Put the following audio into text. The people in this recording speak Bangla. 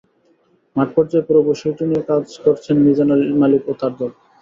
মাঠপর্যায়ে পুরো বিষয়টি নিয়ে কাজ করেছেন মিজান মালিক ও তাঁর দল।